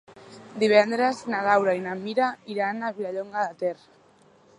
Divendres na Laura i na Mira iran a Vilallonga de Ter.